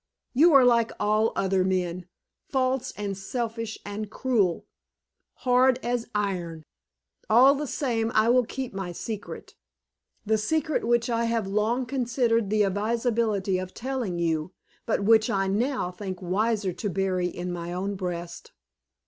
You are like all other men false, and selfish, and cruel hard as iron. All the same, I will keep my secret the secret which I have long considered the advisability of telling you, but which I now think wiser to bury in my own breast.